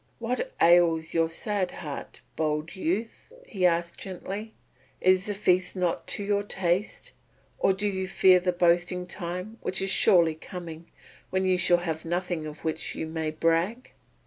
"What ails your sad heart, bold youth?" he asked gently. "Is the feast not to your taste? Or do you fear the boasting time which is surely coming, when you shall have nothing of which you may brag?"